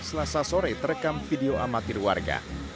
selasa sore terekam video amatir warga